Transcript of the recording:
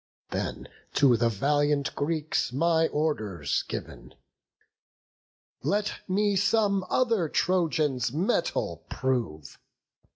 Then, to the valiant Greeks my orders giv'n. Let me some other Trojan's mettle prove."